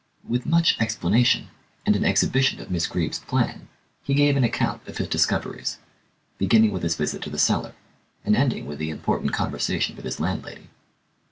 With much explanation and an exhibition of Miss Greeb's plan, he gave an account of his discoveries, beginning with his visit to the cellar, and ending with the important conversation with his landlady.